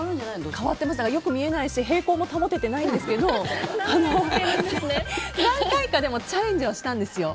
よく見えないし平行も保ててないんですけど何回かチャレンジはしたんです。